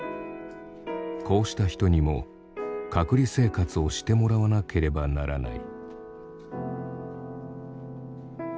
こうした人にも隔離生活をしてもらわなければならない。